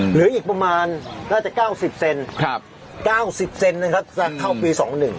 เหลืออีกประมาณน่าจะ๙๐เซน๙๐เซนนะครับจะเข้าปี๒๑